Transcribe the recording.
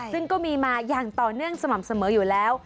ซึ่งก็มีมาอย่างต่อเนื่องสม่ำเสมออยู่แล้ว